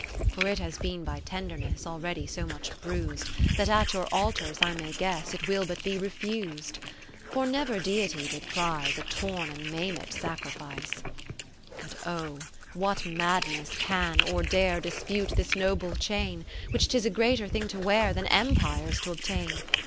For it has been by tenderness Already so much bruis'd. That at your altars I may guess It will be but refus'd. For never Deity did prize A torn and maimed sacrifice. But oh ! what madness can or dare Dispute this noble chain, 20 Which 'tis a greater thing to wear. Than empires to obtain